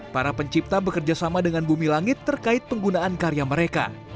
para pencipta bekerja sama dengan bumi langit terkait penggunaan karya mereka